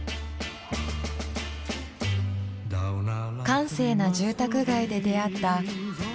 閑静な住宅街で出会ったこの道